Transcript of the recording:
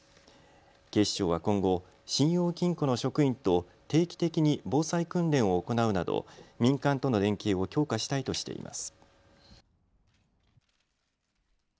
警視庁は今後、信用金庫の職員と定期的に防災訓練を行うなど民間との連携を強化したいとしています。